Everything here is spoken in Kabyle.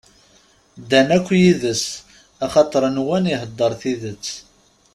Ddan akk yid-s axaṭer nwan iheddeṛ tidett.